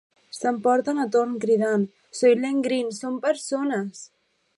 S'emporten a Thorn cridant: Soylent Green són persones!